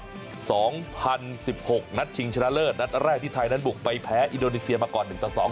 สองพันสิบหกนัดชิงชนะเลิศนัดแรกที่ไทยนั้นบุกไปแพ้อินโดนีเซียมาก่อนหนึ่งต่อสอง